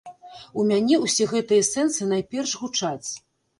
У мяне ўсе гэтыя сэнсы найперш гучаць.